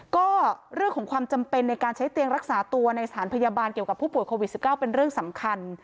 ก็เรื่องของความจำเป็นในการใช้เตียงรักษาตัวในสถานพยาบาลเกี่ยวกับผู้ป่วยโควิด๑๙เป็นเรื่องสำคัญ